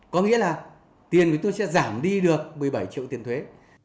có nghĩa là tiền thì tôi sẽ giảm đi được một mươi bảy triệu tiền thuế